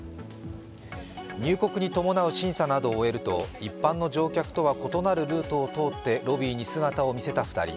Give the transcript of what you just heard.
入国に伴う審査などを終えると一般の乗客とは異なるルートを通ってロビーに姿を見せた２人。